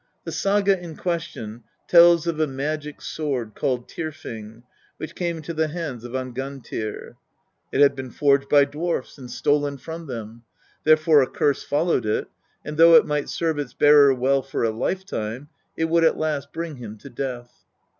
The saga in question tells of a magic sword called Tyrfing which came into the hands of Angantyr. It had been forged by dwarfs, and stolen from them ; therefore a curse followed it, and though it might serve its bearer well for a lifetime, it would at last bring him to death.